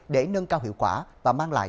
để nâng cao hiệu quả và mang lại